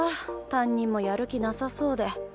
担任もやる気なさそうで。